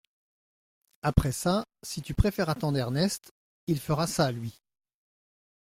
Après ça, si tu préfères attendre Ernest… il fera ça, lui !